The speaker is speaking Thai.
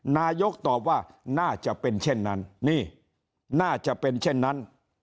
นายกตอบว่าน่าจะเป็นเช่นนั้นนี่น่าจะเป็นเช่นนั้น